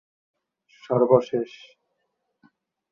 শেখ হেলাল উদ্দিন শেখ হাসিনার চাচাতো ভাই।